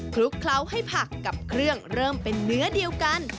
ลุกเคล้าให้ผักกับเครื่องเริ่มเป็นเนื้อเดียวกัน